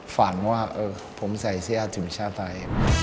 ฝันว่าผมใส่เสื้อทีมชาติไทย